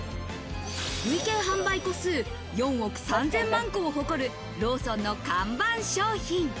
累計販売個数４億３０００万個を誇るローソンの看板商品。